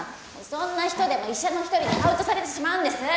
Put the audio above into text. そんな人でも医者の一人にカウントされてしまうんです。